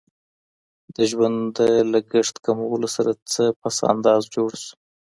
د ژوند د لګښت کمولو سره څه پس انداز جوړ سو.